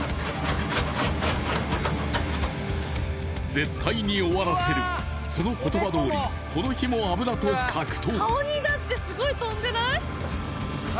絶対に終わらせる、その言葉どおり、この日も油と格闘。